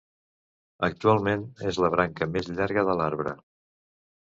Actualment, és la branca més llarga de l'arbre.